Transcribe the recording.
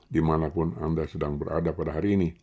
dimanapun anda sedang berada pada hari ini